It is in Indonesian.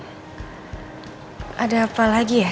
ada apa lagi ya